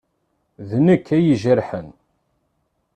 D nekk ay ijerḥen.